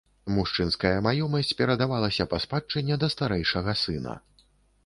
Мужчынская маёмасць перадавалася па спадчыне да старэйшага сына.